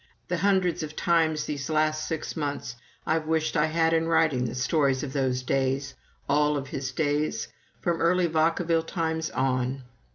The hundreds of times these last six months I've wished I had in writing the stories of those days of all his days, from early Vacaville times on!